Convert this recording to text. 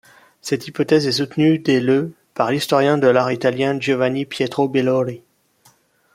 Cette hypothèse est soutenue dès le par l'historien de l'art italien Giovanni Pietro Bellori.